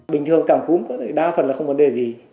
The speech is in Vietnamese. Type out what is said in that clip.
bình thường cảm cúm có thể đa phần là không vấn đề gì